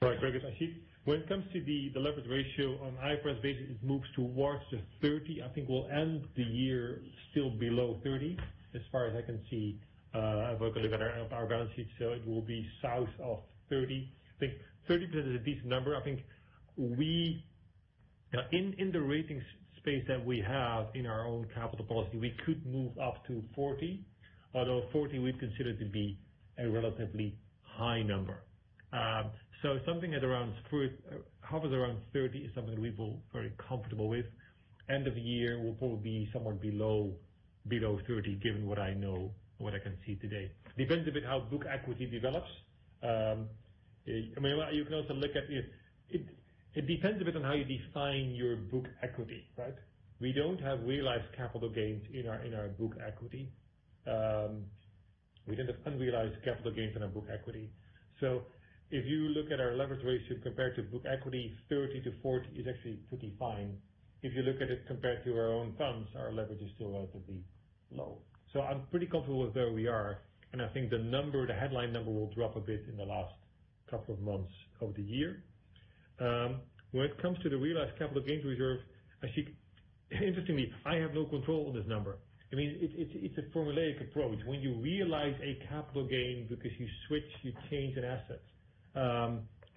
All right, Shaikh. I see. When it comes to the leverage ratio on IFRS basis, it moves towards the 30. I think we'll end the year still below 30, as far as I can see. I have a look at our balance sheet. It will be south of 30. I think 30% is a decent number. I think in the ratings space that we have in our own capital policy, we could move up to 40, although 40 we'd consider to be a relatively high number. Something that hovers around 30 is something that we're very comfortable with. End of the year, we'll probably be somewhere below 30, given what I know and what I can see today. Depends a bit how book equity develops. It depends a bit on how you define your book equity, right? We don't have realized capital gains in our book equity. We didn't have unrealized capital gains in our book equity. If you look at our leverage ratio compared to book equity, 30 to 40 is actually pretty fine. If you look at it compared to our own funds, our leverage is still relatively low. I'm pretty comfortable with where we are, and I think the headline number will drop a bit in the last couple of months of the year. When it comes to the realized capital gains reserve, I think interestingly, I have no control on this number. It's a formulaic approach. When you realize a capital gain because you switch, you change an asset.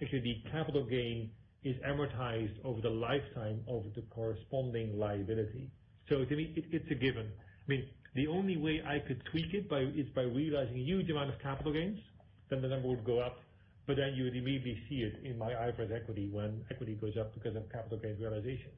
Actually, the capital gain is amortized over the lifetime of the corresponding liability. To me, it's a given. The only way I could tweak it is by realizing a huge amount of capital gains, then the number would go up, but then you would immediately see it in my IFRS equity when equity goes up because of capital gains realizations.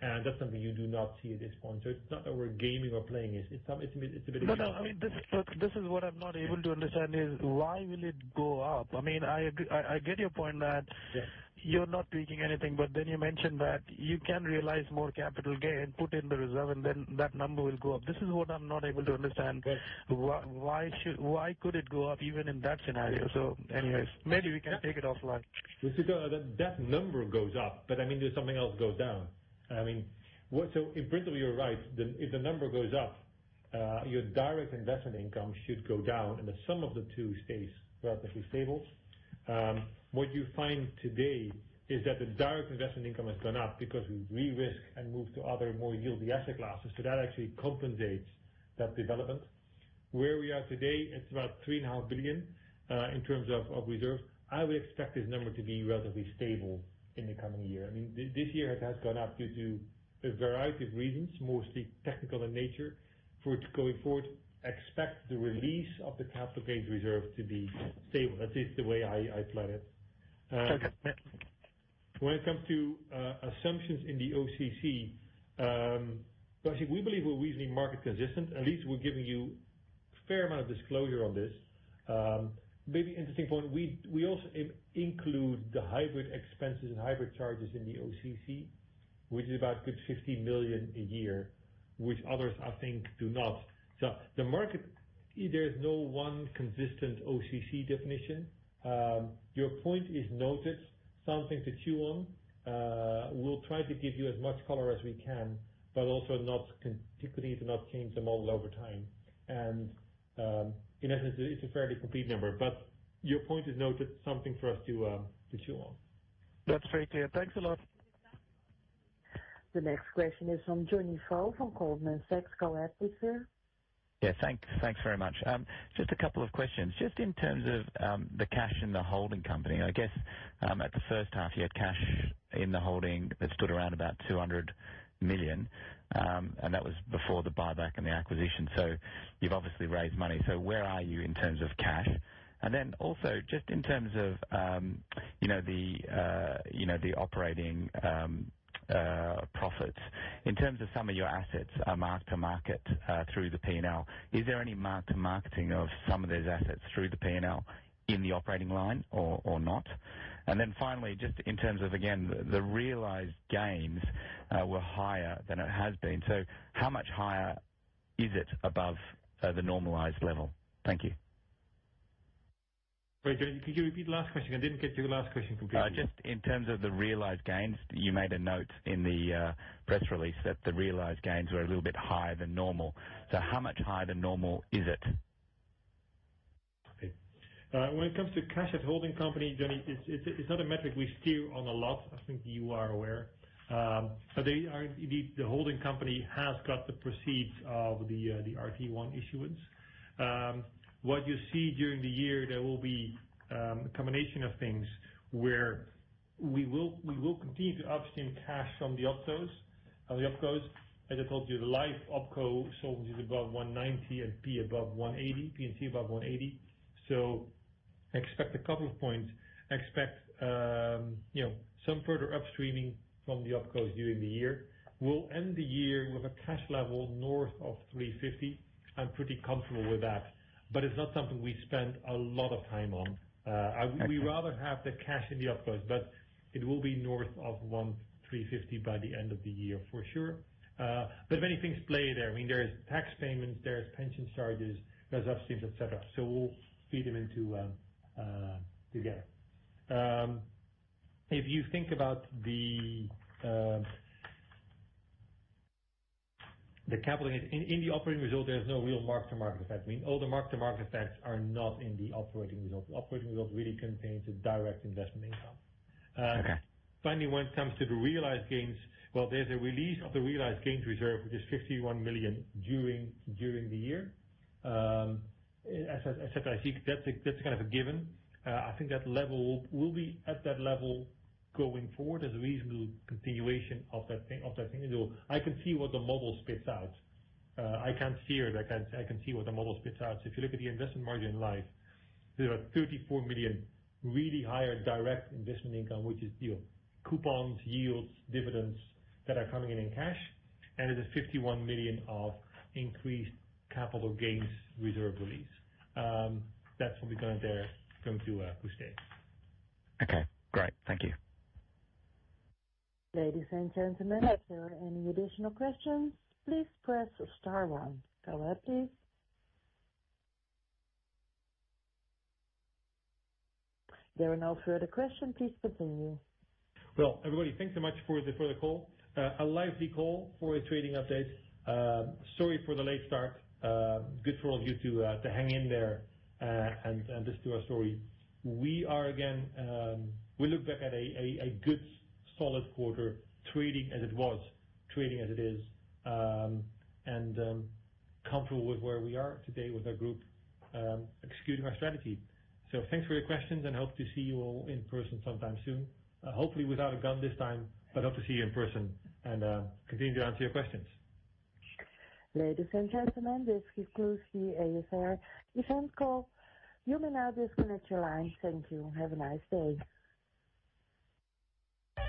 That's something you do not see at this point. It's not that we're gaming or playing this. No, this is what I'm not able to understand is why will it go up? I get your point that- Yeah You're not tweaking anything, you mentioned that you can realize more capital gain, put in the reserve, and then that number will go up. This is what I'm not able to understand. Yes. Why could it go up even in that scenario? Anyways, maybe we can take it offline. That number goes up, but there's something else goes down. In principle, you're right. If the number goes up, your direct investment income should go down and the sum of the two stays relatively stable. What you find today is that the direct investment income has gone up because we re-risk and move to other more yield-y asset classes. That actually compensates that development. Where we are today, it's about three and a half billion in terms of reserves. I would expect this number to be relatively stable in the coming year. This year, it has gone up due to a variety of reasons, mostly technical in nature. Going forward, expect the release of the capital gains reserve to be stable. That is the way I plan it. Okay. When it comes to assumptions in the OCC, we believe we're reasonably market consistent. At least we're giving you a fair amount of disclosure on this. Maybe interesting point, we also include the hybrid expenses and hybrid charges in the OCC, which is about a good 15 million a year, which others, I think, do not. The market, there is no one consistent OCC definition. Your point is noted. Something to chew on. We'll try to give you as much color as we can, but also not complicate and not change the model over time. In essence, it's a fairly complete number, but your point is noted. Something for us to chew on. That's very clear. Thanks a lot. The next question is from Johnny Vo from Goldman Sachs. Go ahead, please, sir. Yeah. Thanks very much. Just a couple of questions. Just in terms of the cash in the holding company, I guess at the first half, you had cash in the holding that stood around about 200 million, and that was before the buyback and the acquisition. You've obviously raised money. Where are you in terms of cash? Then also just in terms of the operating profits. In terms of some of your assets are mark-to-market through the P&L. Is there any mark-to-marketing of some of those assets through the P&L in the operating line or not? Finally, just in terms of, again, the realized gains were higher than it has been. How much higher is it above the normalized level? Thank you. Johnny, could you repeat the last question? I didn't get your last question completely. Just in terms of the realized gains. You made a note in the press release that the realized gains were a little bit higher than normal. How much higher than normal is it? Okay. When it comes to cash at holding company, Johnny, it's not a metric we steer on a lot. I think you are aware. Indeed, the holding company has got the proceeds of the RT1 issuance. What you see during the year, there will be a combination of things where we will continue to upstream cash from the opcos. As I told you, the life opco is above 190 and P&C above 180. Expect a couple of points. Expect some further upstreaming from the opcos during the year. We'll end the year with a cash level north of 350. I'm pretty comfortable with that, it's not something we spend a lot of time on. We'd rather have the cash in the opcos, it will be north of 350 by the end of the year for sure. Many things play there. There's tax payments, there's pension charges, there's upstreams, et cetera. We'll feed them into together. If you think about The capital gains. In the operating result, there's no real mark-to-market effect. All the mark-to-market effects are not in the operating result. The operating result really contains the direct investment income. Okay. Finally, when it comes to the realized gains, there's a release of the realized gains reserve, which is 51 million during the year. As I said, I think that's kind of a given. I think that level will be at that level going forward as a reasonable continuation of that thing. I can see what the model spits out. I can't steer it. I can see what the model spits out. If you look at the investment margin line, there are 34 million really higher direct investment income, which is coupons, yields, dividends that are coming in in cash, and there's 51 million of increased capital gains reserve release. That's what we're going to push there. Okay, great. Thank you. Ladies and gentlemen, if there are any additional questions, please press star one. Go ahead, please. There are no further question. Please continue. Everybody, thanks so much for the call. A lively call for a trading update. Sorry for the late start. Good for all of you to hang in there and listen to our story. We look back at a good, solid quarter, trading as it was, trading as it is, and comfortable with where we are today with our group executing our strategy. Thanks for your questions, and hope to see you all in person sometime soon. Hopefully without a gun this time, hope to see you in person and continue to answer your questions. Ladies and gentlemen, this concludes the ASR event call. You may now disconnect your line. Thank you. Have a nice day.